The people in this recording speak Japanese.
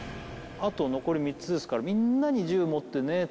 あと残り３つですからみんなに銃持ってね